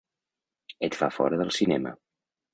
Et fa fora del cinema.